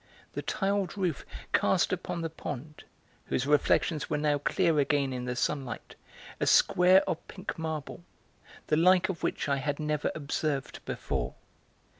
The tiled roof cast upon the pond, whose reflections were now clear again in the sunlight, a square of pink marble, the like of which I had never observed before.